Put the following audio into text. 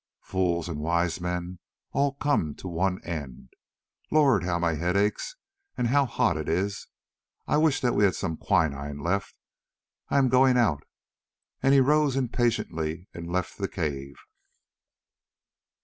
Fools and wise men all come to one end. Lord! how my head aches and how hot it is! I wish that we had some quinine left. I am going out," and he rose impatiently and left the cave.